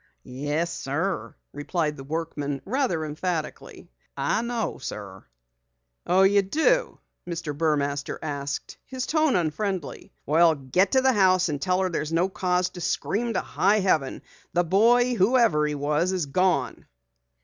"Yes, sir," replied the workman rather emphatically. "I know, sir." "Oh, you do?" Mr. Burmaster asked, his tone unfriendly. "Well, get to the house and tell her there's no cause to scream to high heaven. The boy, whoever he was, is gone."